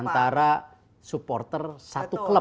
antara supporter satu klub